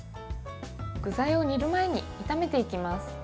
具材を煮る前に炒めていきます。